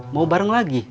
mau bareng lagi